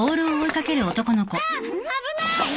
あっ危ない。